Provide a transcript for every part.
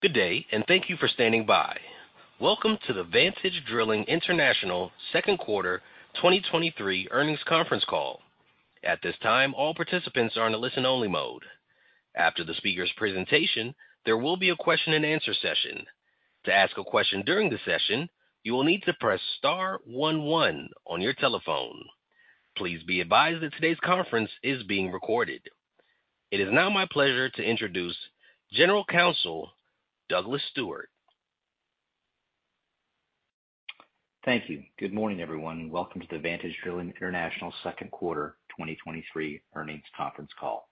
Good day, and thank you for standing by. Welcome to the Vantage Drilling International second quarter 2023 earnings conference call. At this time, all participants are in a listen-only mode. After the speaker's presentation, there will be a question-and-answer session. To ask a question during the session, you will need to press star one one on your telephone. Please be advised that today's conference is being recorded. It is now my pleasure to introduce General Counsel, Douglas Stewart. Thank you. Good morning, everyone, welcome to the Vantage Drilling International second quarter 2023 earnings conference call.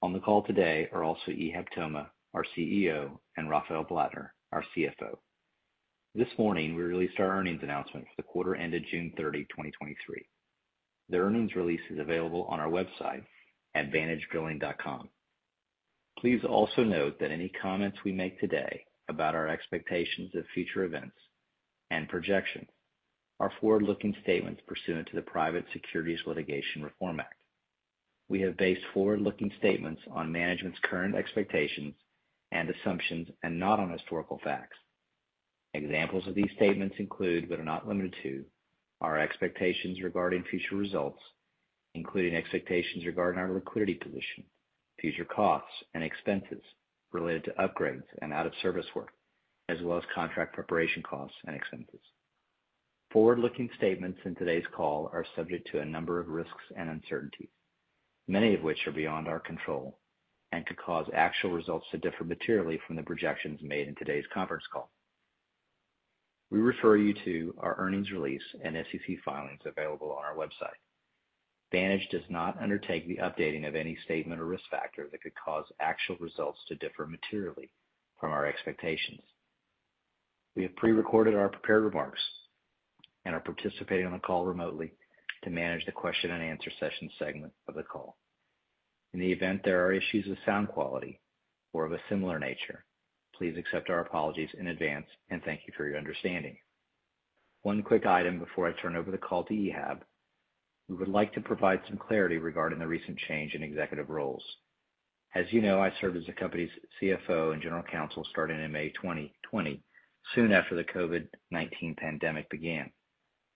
On the call today are also Ihab Toma, our CEO, and Rafael Blattner, our CFO. This morning, we released our earnings announcement for the quarter ended June 30, 2023. The earnings release is available on our website at vantagedrilling.com. Please also note that any comments we make today about our expectations of future events and projections are forward-looking statements pursuant to the Private Securities Litigation Reform Act. We have based forward-looking statements on management's current expectations and assumptions and not on historical facts. Examples of these statements include, but are not limited to, our expectations regarding future results, including expectations regarding our liquidity position, future costs and expenses related to upgrades and out-of-service work, as well as contract preparation costs and expenses. Forward-looking statements in today's call are subject to a number of risks and uncertainties, many of which are beyond our control and could cause actual results to differ materially from the projections made in today's conference call. We refer you to our earnings release and SEC filings available on our website. Vantage does not undertake the updating of any statement or risk factor that could cause actual results to differ materially from our expectations. We have pre-recorded our prepared remarks and are participating on the call remotely to manage the question-and-answer session segment of the call. In the event there are issues with sound quality or of a similar nature, please accept our apologies in advance, and thank you for your understanding. One quick item before I turn over the call to Ihab. We would like to provide some clarity regarding the recent change in executive roles. As you know, I served as the company's CFO and General Counsel starting in May 2020, soon after the COVID-19 pandemic began.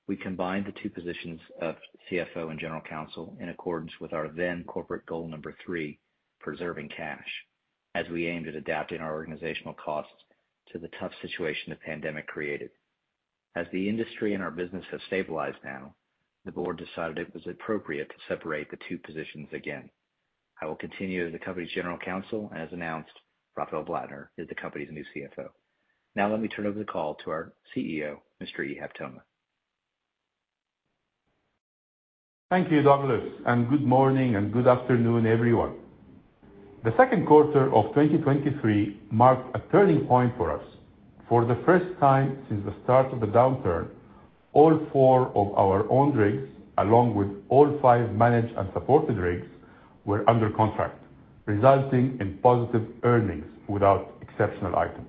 We combined the two positions of CFO and General Counsel in accordance with our then corporate goal number three, preserving cash, as we aimed at adapting our organizational costs to the tough situation the pandemic created. As the industry and our business have stabilized now, the board decided it was appropriate to separate the two positions again. I will continue as the company's General Counsel, and as announced, Rafael Blattner is the company's new CFO. Now let me turn over the call to our CEO, Mr. Ihab Toma. Thank you, Douglas, and good morning and good afternoon, everyone. The second quarter of 2023 marked a turning point for us. For the first time since the start of the downturn, all four of our own rigs, along with all five managed and supported rigs, were under contract, resulting in positive earnings without exceptional items.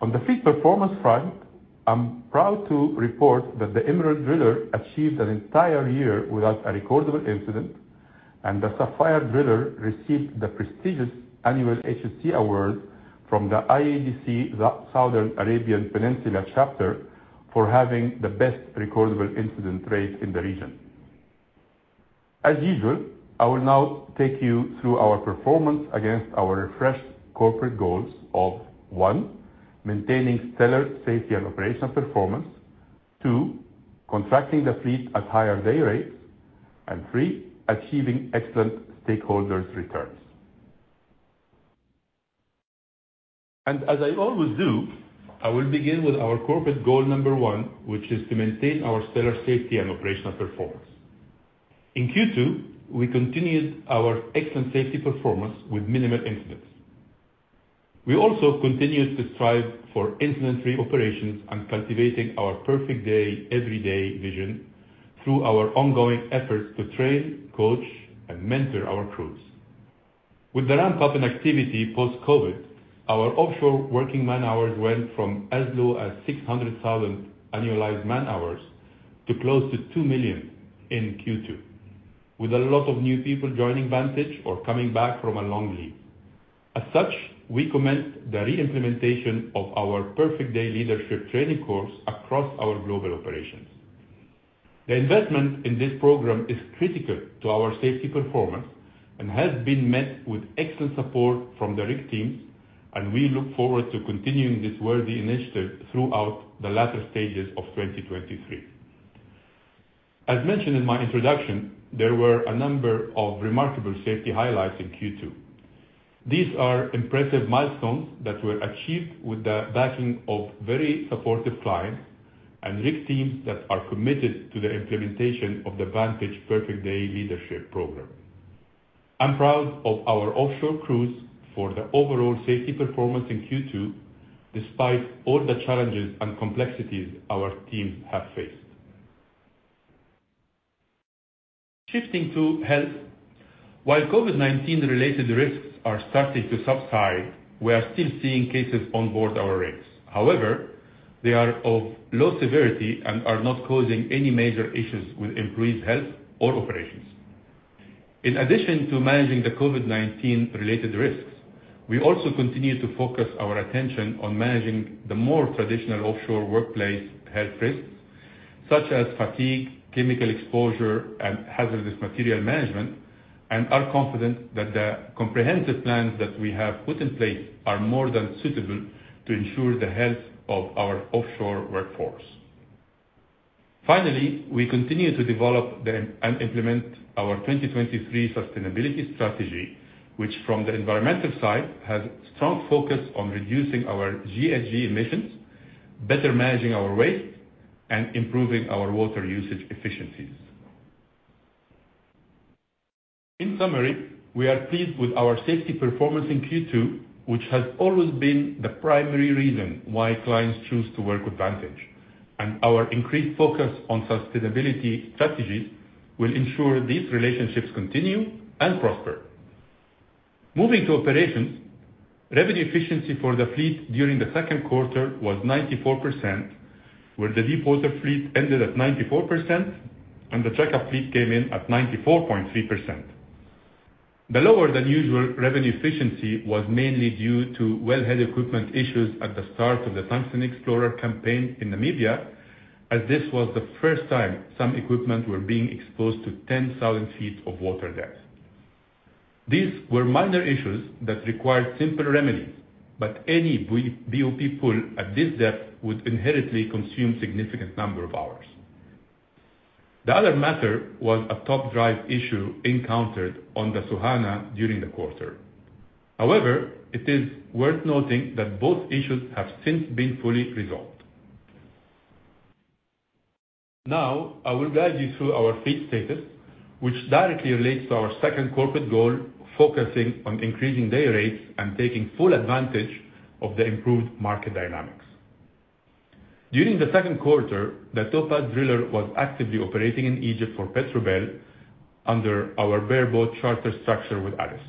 On the fleet performance front, I'm proud to report that the Emerald Driller achieved an entire year without a recordable incident, and the Sapphire Driller received the prestigious annual HSE Award from the IADC, the Southern Arabian Peninsula chapter, for having the best recordable incident rate in the region. As usual, I will now take you through our performance against our refreshed corporate goals of, one, maintaining stellar safety and operational performance. two, contracting the fleet at higher day rates, and three, achieving excellent stakeholders returns. As I always do, I will begin with our corporate goal number one, which is to maintain our stellar safety and operational performance. In Q2, we continued our excellent safety performance with minimal incidents. We also continued to strive for incident-free operations and cultivating our perfect day, every day vision through our ongoing efforts to train, coach, and mentor our crews. With the ramp-up in activity post-COVID, our offshore working man-hours went from as low as 600,000 annualized man-hours to close to two million in Q2, with a lot of new people joining Vantage or coming back from a long leave. As such, we commenced the re-implementation of our Perfect Day Leadership training course across our global operations. The investment in this program is critical to our safety performance and has been met with excellent support from the rig teams. We look forward to continuing this worthy initiative throughout the latter stages of 2023. As mentioned in my introduction, there were a number of remarkable safety highlights in Q2. These are impressive milestones that were achieved with the backing of very supportive clients and rig teams that are committed to the implementation of the Vantage Perfect Day Leadership Program. I'm proud of our offshore crews for their overall safety performance in Q2, despite all the challenges and complexities our teams have faced. Shifting to health. While COVID-19-related risks are starting to subside, we are still seeing cases on board our rigs. However, they are of low severity and are not causing any major issues with employees' health or operations. In addition to managing the COVID-19 related risks, we also continue to focus our attention on managing the more traditional offshore workplace health risks, such as fatigue, chemical exposure, and hazardous material management, and are confident that the comprehensive plans that we have put in place are more than suitable to ensure the health of our offshore workforce. Finally, we continue to develop and implement our 2023 sustainability strategy, which from the environmental side, has strong focus on reducing our GHG emissions, better managing our waste, and improving our water usage efficiencies. In summary, we are pleased with our safety performance in Q2, which has always been the primary reason why clients choose to work with Vantage, and our increased focus on sustainability strategies will ensure these relationships continue and prosper. Moving to operations, revenue efficiency for the fleet during the second quarter was 94%, where the deepwater fleet ended at 94% and the tracker fleet came in at 94.3%. The lower than usual revenue efficiency was mainly due to wellhead equipment issues at the start of the Tungsten Explorer campaign in Namibia, as this was the first time some equipment were being exposed to 10,000 feet of water depth. These were minor issues that required simple remedies, but any BOP pull at this depth would inherently consume significant number of hours. The other matter was a top drive issue encountered on the Soehanah during the quarter. However, it is worth noting that both issues have since been fully resolved. Now, I will guide you through our fleet status, which directly relates to our second corporate goal, focusing on increasing day rates and taking full advantage of the improved market dynamics. During the second quarter, the Topaz Driller was actively operating in Egypt for Petrobel under our bareboat charter structure with ADES.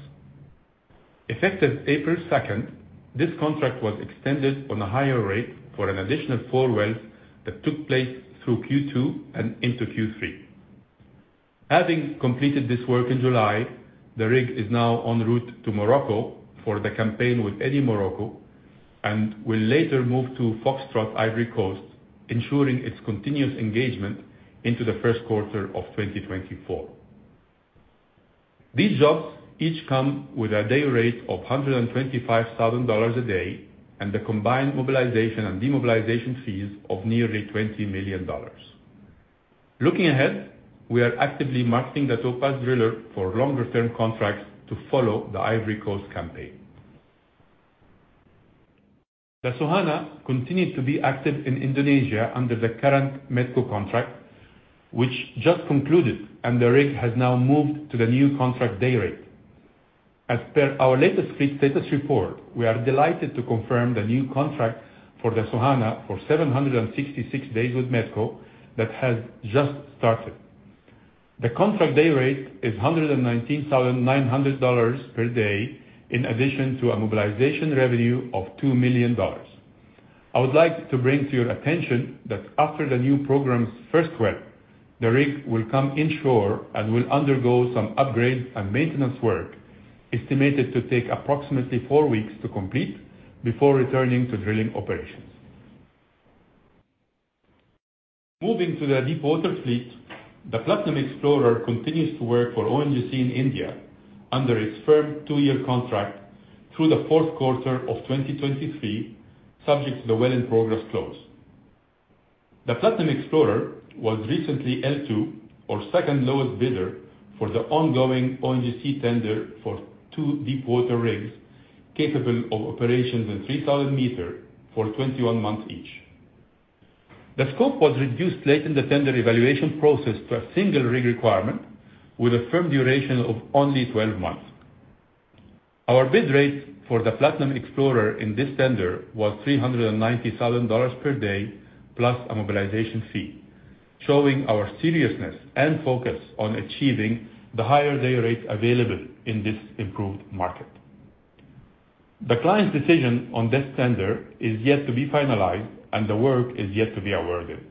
Effective April second, this contract was extended on a higher rate for an additional 4 wells that took place through Q2 and into Q3. Having completed this work in July, the rig is now en route to Morocco for the campaign with EDD Morocco, and will later move to Foxtrot, Ivory Coast, ensuring its continuous engagement into the first quarter of 2024. These jobs each come with a day rate of $125,000 a day and the combined mobilization and demobilization fees of nearly $20 million. Looking ahead, we are actively marketing the Topaz Driller for longer-term contracts to follow the Ivory Coast campaign. The Soehanah continued to be active in Indonesia under the current MedcoEnergi contract, which just concluded, and the rig has now moved to the new contract day rate. As per our latest fleet status report, we are delighted to confirm the new contract for the Soehanah for 766 days with MedcoEnergi that has just started. The contract day rate is $119,900 per day, in addition to a mobilization revenue of $2 million. I would like to bring to your attention that after the new program's first well, the rig will come inshore and will undergo some upgrades and maintenance work, estimated to take approximately four weeks to complete before returning to drilling operations. Moving to the deepwater fleet, the Platinum Explorer continues to work for ONGC in India under its firm 2-year contract through the 4th quarter of 2023, subject to the well in progress close. The Platinum Explorer was recently L2, or second lowest bidder, for the ongoing ONGC tender for two deepwater rigs capable of operations in 3,000 meters for 21 months each. The scope was reduced late in the tender evaluation process to a single rig requirement, with a firm duration of only 12 months. Our bid rate for the Platinum Explorer in this tender was $390,000 per day plus a mobilization fee, showing our seriousness and focus on achieving the higher day rates available in this improved market. The client's decision on this tender is yet to be finalized and the work is yet to be awarded.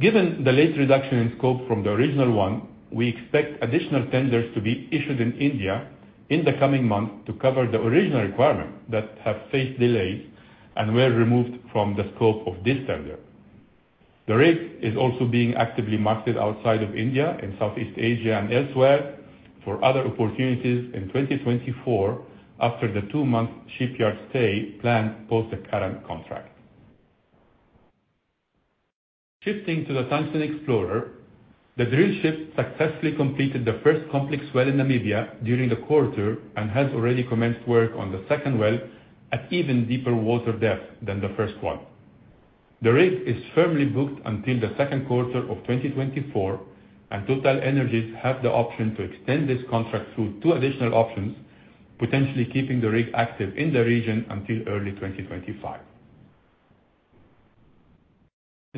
Given the late reduction in scope from the original one, we expect additional tenders to be issued in India in the coming months to cover the original requirements that have faced delays and were removed from the scope of this tender. The rig is also being actively marketed outside of India, in Southeast Asia and elsewhere, for other opportunities in 2024 after the two-month shipyard stay planned post the current contract. Shifting to the Tungsten Explorer, the drillship successfully completed the first complex well in Namibia during the quarter, and has already commenced work on the second well at even deeper water depth than the first one. The rig is firmly booked until the second quarter of 2024. TotalEnergies have the option to extend this contract through 2 additional options, potentially keeping the rig active in the region until early 2025.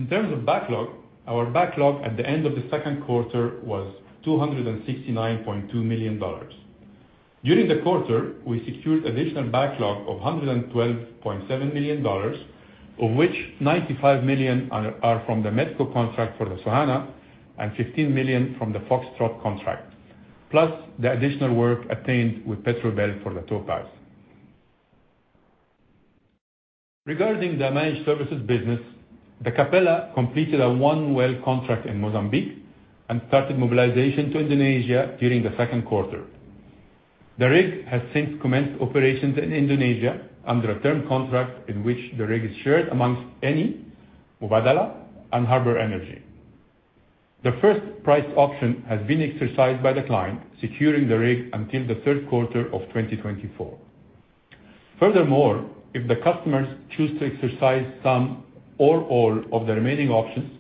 In terms of backlog, our backlog at the end of the second quarter was $269.2 million. During the quarter, we secured additional backlog of $112.7 million, of which $95 million are from the Mexico contract for the Soehanah, and $15 million from the Foxtrot contract, plus the additional work obtained with Petrobel for the Topaz. Regarding the managed services business, the Capella completed a one-well contract in Mozambique and started mobilization to Indonesia during the second quarter. The rig has since commenced operations in Indonesia under a term contract in which the rig is shared amongst Eni, Mubadala, and Harbour Energy. The first price option has been exercised by the client, securing the rig until the third quarter of 2024. Furthermore, if the customers choose to exercise some or all of the remaining options,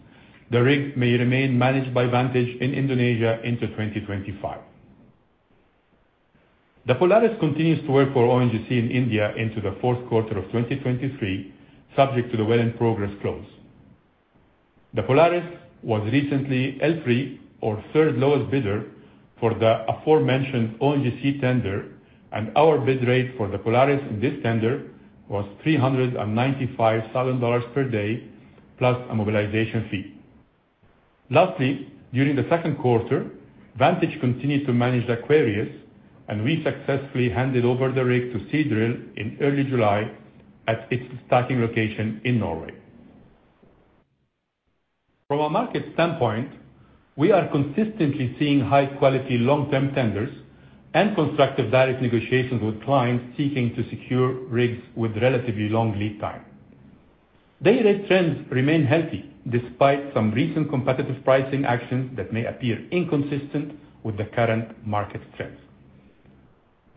the rig may remain managed by Vantage in Indonesia into 2025. The Polaris continues to work for ONGC in India into the fourth quarter of 2023, subject to the well in progress close. The Polaris was recently L3, or third lowest bidder, for the aforementioned ONGC tender. Our bid rate for the Polaris in this tender was $395,000 per day, plus a mobilization fee. Lastly, during the second quarter, Vantage continued to manage the Aquarius. We successfully handed over the rig to Seadrill in early July at its starting location in Norway. From a market standpoint, we are consistently seeing high-quality long-term tenders and constructive direct negotiations with clients seeking to secure rigs with relatively long lead time. Dayrate trends remain healthy despite some recent competitive pricing actions that may appear inconsistent with the current market trends.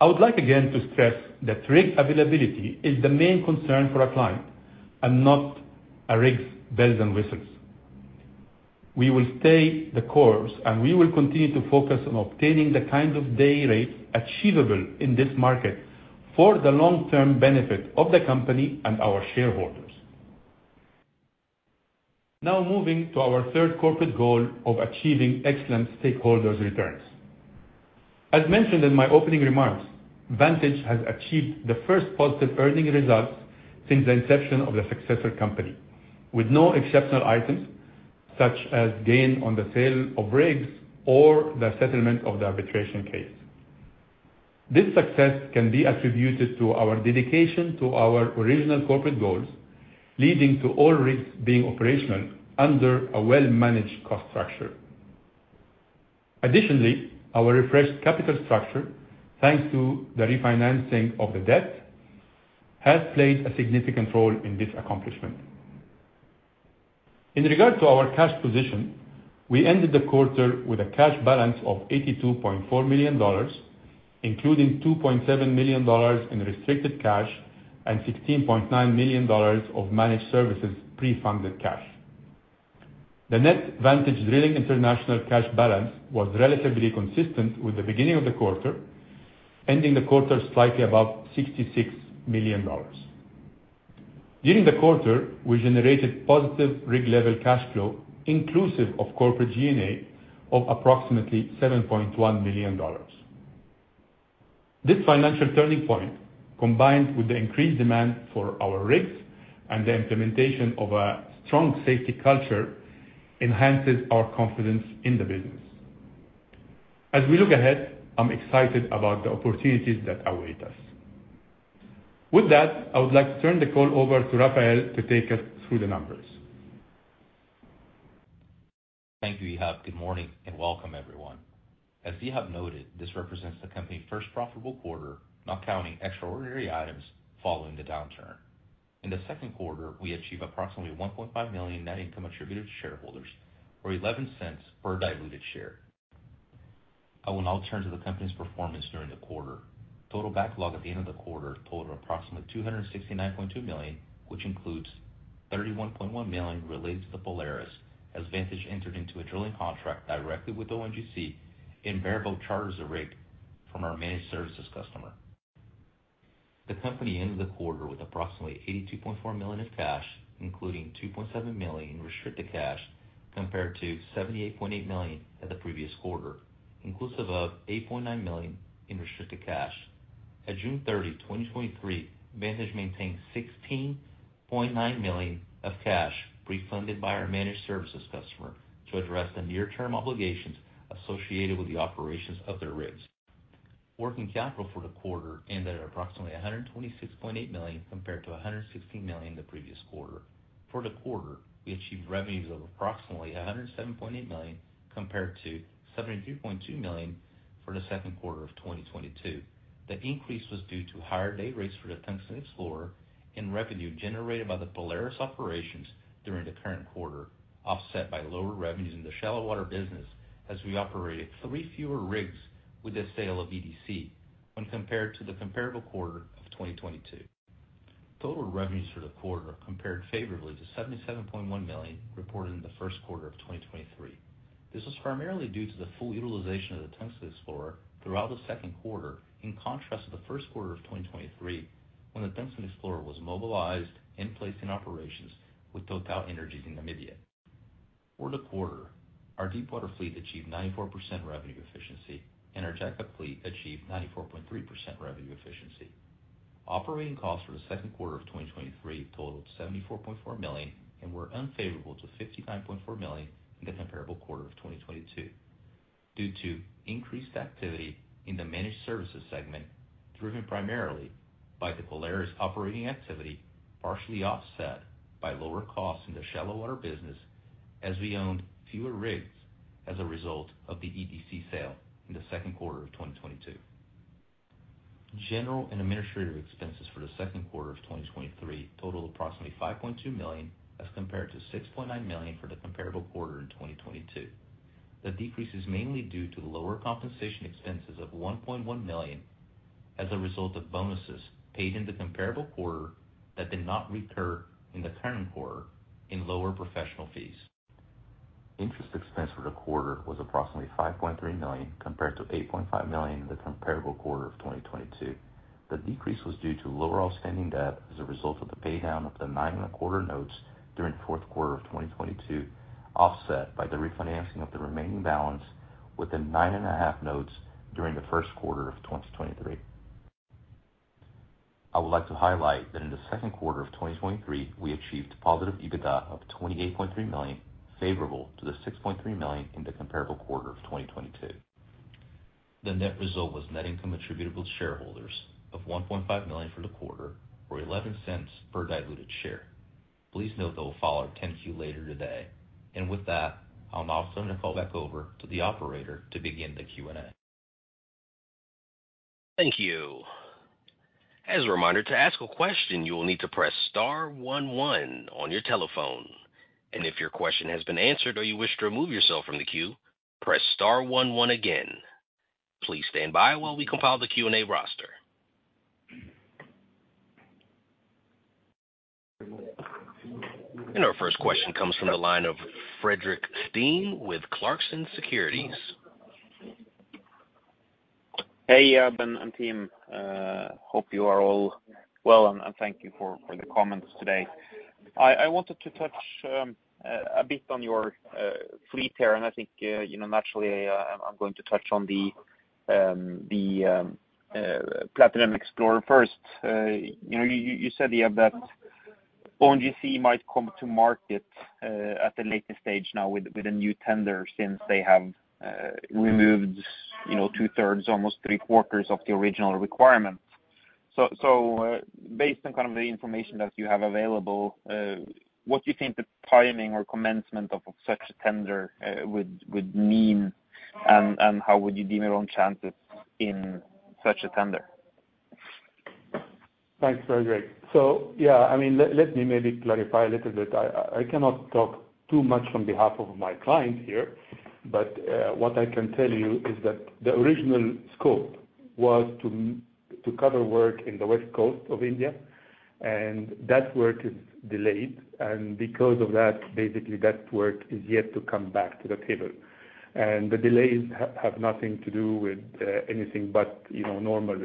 I would like again to stress that rig availability is the main concern for our client and not a rig's bells and whistles. We will stay the course, we will continue to focus on obtaining the kind of day rates achievable in this market for the long-term benefit of the company and our shareholders. Now moving to our 3rd corporate goal of achieving excellent stakeholders returns. As mentioned in my opening remarks, Vantage has achieved the 1st positive earning results since the inception of the successor company, with no exceptional items, such as gain on the sale of rigs or the settlement of the arbitration case. This success can be attributed to our dedication to our original corporate goals, leading to all rigs being operational under a well-managed cost structure. Additionally, our refreshed capital structure, thanks to the refinancing of the debt, has played a significant role in this accomplishment. In regard to our cash position, we ended the quarter with a cash balance of $82.4 million, including $2.7 million in restricted cash and $16.9 million of managed services pre-funded cash. The net Vantage Drilling International cash balance was relatively consistent with the beginning of the quarter, ending the quarter slightly above $66 million. During the quarter, we generated positive rig-level cash flow, inclusive of corporate G&A of approximately $7.1 million. This financial turning point, combined with the increased demand for our rigs and the implementation of a strong safety culture, enhances our confidence in the business. As we look ahead, I'm excited about the opportunities that await us. With that, I would like to turn the call over to Rafael to take us through the numbers. Thank you, Ihab. Good morning and welcome, everyone. As Ihab noted, this represents the company's first profitable quarter, not counting extraordinary items following the downturn. In the second quarter, we achieved approximately $1.5 million net income attributed to shareholders, or $0.11 per diluted share. I will now turn to the company's performance during the quarter. Total backlog at the end of the quarter totaled approximately $269.2 million, which includes $31.1 million related to the Polaris, as Vantage entered into a drilling contract directly with ONGC and variable charters of rig from our managed services customer. The company ended the quarter with approximately $82.4 million of cash, including $2.7 million in restricted cash, compared to $78.8 million at the previous quarter, inclusive of $8.9 million in restricted cash. At June 30, 2023, Vantage maintained $16.9 million of cash refunded by our managed services customer to address the near-term obligations associated with the operations of their rigs. Working capital for the quarter ended at approximately $126.8 million, compared to $160 million the previous quarter. For the quarter, we achieved revenues of approximately $107.8 million, compared to $73.2 million for the second quarter of 2022. The increase was due to higher day rates for the Tungsten Explorer and revenue generated by the Polaris operations during the current quarter, offset by lower revenues in the shallow water business, as we operated three fewer rigs with the sale of EDC when compared to the comparable quarter of 2022. Total revenues for the quarter compared favorably to $77.1 million, reported in the first quarter of 2023. This was primarily due to the full utilization of the Tungsten Explorer throughout the second quarter, in contrast to the first quarter of 2023, when the Tungsten Explorer was mobilized in place in operations with TotalEnergies in Namibia. For the quarter, our deepwater fleet achieved 94% revenue efficiency, and our jackup fleet achieved 94.3% revenue efficiency. Operating costs for the second quarter of 2023 totaled $74.4 million, and were unfavorable to $59.4 million in the comparable quarter of 2022, due to increased activity in the managed services segment, driven primarily by the Polaris operating activity, partially offset by lower costs in the shallow water business, as we owned fewer rigs as a result of the EDC sale in the second quarter of 2022. General and administrative expenses for the second quarter of 2023 totaled approximately $5.2 million, as compared to $6.9 million for the comparable quarter in 2022. The decrease is mainly due to lower compensation expenses of $1.1 million as a result of bonuses paid in the comparable quarter that did not recur in the current quarter, in lower professional fees. Interest expense for the quarter was approximately $5.3 million, compared to $8.5 million in the comparable quarter of 2022. The decrease was due to lower outstanding debt as a result of the paydown of the 9 1/4% notes during the fourth quarter of 2022, offset by the refinancing of the remaining balance with the 9 1/2% notes during the first quarter of 2023. I would like to highlight that in the second quarter of 2023, we achieved positive EBITDA of $28.3 million, favorable to the $6.3 million in the comparable quarter of 2022. The net result was net income attributable to shareholders of $1.5 million for the quarter, or $0.11 per diluted share. Please note that we'll follow our 10-Q later today. With that, I'll now turn the call back over to the operator to begin the Q&A. Thank you. As a reminder, to ask a question, you will need to press star one one on your telephone. If your question has been answered or you wish to remove yourself from the queue, press star one one again. Please stand by while we compile the Q&A roster. Our first question comes from the line of Fredrik Stene with Clarkson Securities. Hey, men and team. Hope you are all well, and thank you for the comments today. I wanted to touch a bit on your fleet here, and I think, you know, naturally, I'm going to touch on the Platinum Explorer first. You know, you said here that ONGC might come to market at a later stage now with a new tender, since they have removed, you know, two-thirds, almost three-quarters of the original requirements. Based on kind of the information that you have available, what do you think the timing or commencement of such a tender would mean, and how would you deem your own chances in such a tender? Thanks, Frederick. Yeah, I mean, let, let me maybe clarify a little bit. I, I cannot talk too much on behalf of my client here, but, what I can tell you is that the original scope was to to cover work in the West Coast of India, and that work is delayed, and because of that, basically, that work is yet to come back to the table. The delays have nothing to do with, anything but, you know, normal,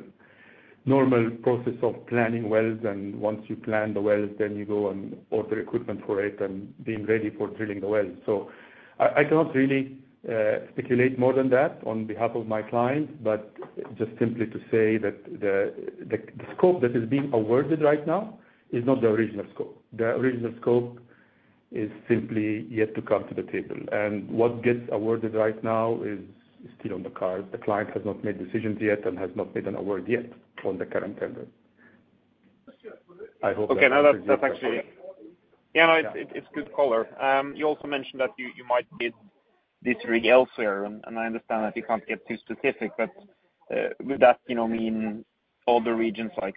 normal process of planning wells, and once you plan the wells, then you go and order equipment for it and being ready for drilling the wells. I, I cannot really, speculate more than that on behalf of my client, but just simply to say that the, the scope that is being awarded right now is not the original scope. The original scope is simply yet to come to the table. What gets awarded right now is still on the card. The client has not made decisions yet and has not made an award yet on the current tender. I hope that- Okay, now that, that's actually. Yeah, it's, it's good color. You also mentioned that you, you might bid this rig elsewhere. I understand that you can't get too specific, would that, you know, mean all the regions, like,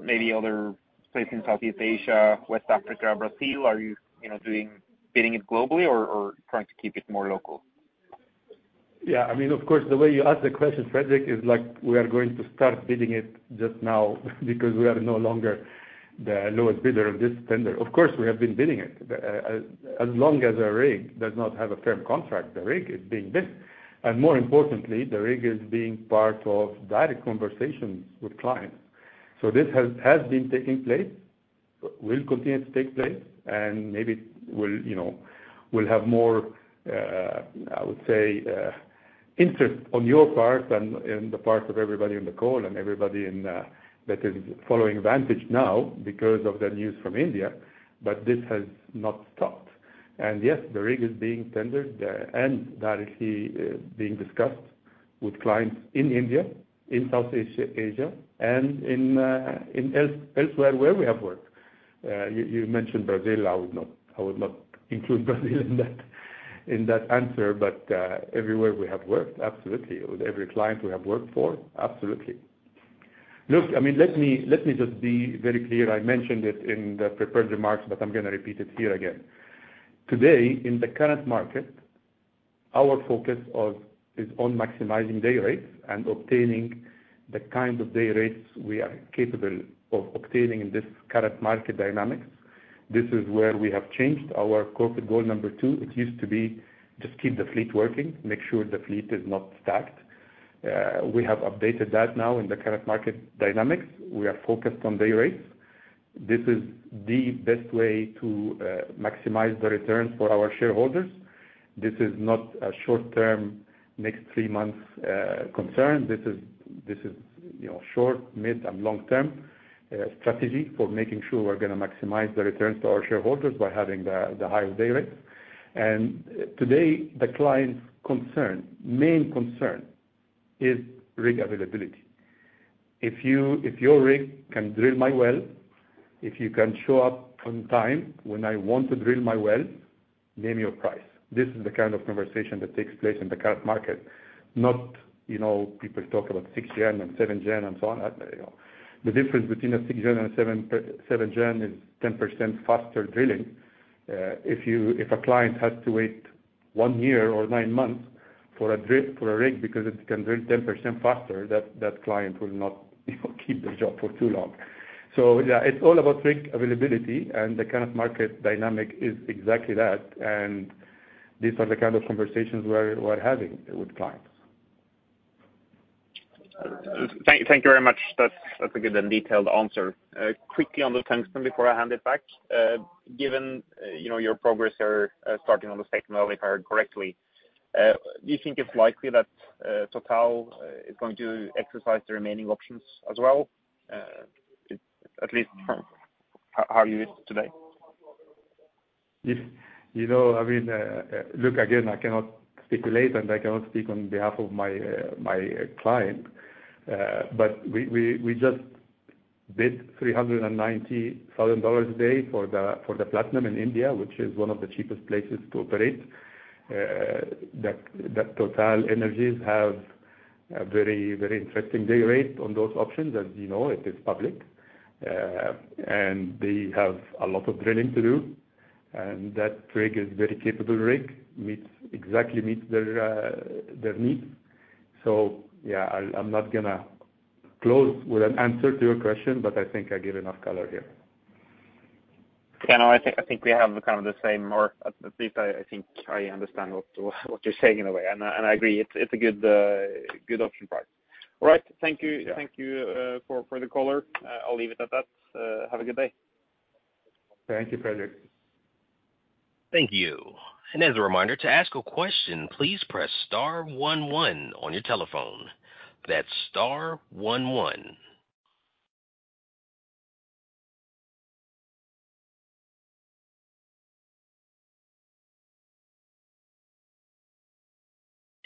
maybe other places in Southeast Asia, West Africa, Brazil? Are you, you know, doing, bidding it globally or, or trying to keep it more local? Yeah, I mean, of course, the way you ask the question, Frederick, is like we are going to start bidding it just now because we are no longer the lowest bidder of this tender. Of course, we have been bidding it. As long as a rig does not have a firm contract, the rig is being bid. More importantly, the rig is being part of direct conversations with clients. This has, has been taking place, will continue to take place, and maybe we'll, you know, we'll have more, I would say, interest on your part and in the part of everybody in the call and everybody in, that is following Vantage now because of the news from India, but this has not stopped. Yes, the rig is being tendered and directly being discussed with clients in India, in South Asia, Asia, and in else, elsewhere where we have worked. You, you mentioned Brazil. I would not, I would not include Brazil in that, in that answer, but everywhere we have worked, absolutely. With every client we have worked for, absolutely. Look, I mean, let me, let me just be very clear. I mentioned it in the prepared remarks, but I'm gonna repeat it here again. Today, in the current market, our focus is on maximizing day rates and obtaining the kind of day rates we are capable of obtaining in this current market dynamics. This is where we have changed our corporate goal number two. It used to be, just keep the fleet working, make sure the fleet is not stacked. We have updated that now in the current market dynamics. We are focused on day rates. This is the best way to maximize the returns for our shareholders. This is not a short-term, next three months concern. This is, this is, you know, short, mid, and long-term strategy for making sure we're gonna maximize the returns to our shareholders by having the high day rates. Today, the client's concern, main concern, is rig availability. If your rig can drill my well, if you can show up on time when I want to drill my well, name your price. This is the kind of conversation that takes place in the current market, not, you know, people talk about 6th generation and 7th generation, and so on. The difference between a 6th generation and a 7th generation is 10% faster drilling. If you, if a client has to wait one year or nine months for a rig because it can drill 10% faster, that client will not, you know, keep the job for too long. Yeah, it's all about rig availability, and the current market dynamic is exactly that. These are the kind of conversations we're, we're having with clients. Thank you very much. That's a good and detailed answer. Quickly on the Tungsten before I hand it back. Given, you know, your progress are starting on the second well, if I heard correctly, do you think it's likely that Total is going to exercise the remaining options as well? At least, how you is today? You know, I mean, look, again, I cannot speculate. I cannot speak on behalf of my client. We, we, we just bid $390,000 a day for the Platinum Explorer in India, which is one of the cheapest places to operate. That, that TotalEnergies have a very, very interesting day rate on those options. As you know, it is public. They have a lot of drilling to do, and that rig is a very capable rig, meets exactly meets their needs. Yeah, I, I'm not gonna close with an answer to your question, but I think I gave enough color here. Yeah, no, I think, I think we have the kind of the same, or at least I, I think I understand what, what you're saying in a way. I, and I agree, it's, it's a good, good option price. All right. Thank you. Yeah. Thank you, for, for the color. I'll leave it at that. Have a good day. Thank you, Fredrik. Thank you. As a reminder, to ask a question, please press star one one on your telephone. That's star 11.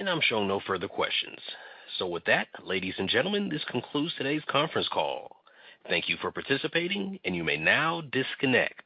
I'm showing no further questions. With that, ladies and gentlemen, this concludes today's conference call. Thank you for participating, and you may now disconnect.